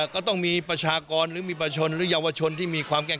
ก็ต้องมีประชากรหรือมีประชนหรือเยาวชนที่มีความแก้